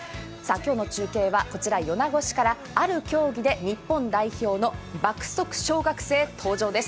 今日の中継は米子市からある競技で日本代表の爆速中学生登場です。